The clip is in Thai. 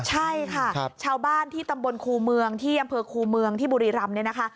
ใช่ค่ะชาวบ้านที่ตำบลครูเมืองที่อำเภอคูเมืองที่บุรีรำเนี่ยนะคะ